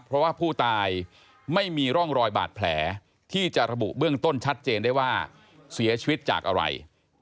เพราะว่าผู้ตายไม่มีร่องรอยบาดแผลที่จะระบุเบื้องต้นชัดเจนได้ว่าเสียชีวิตจากอะไร